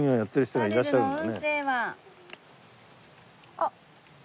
あっ。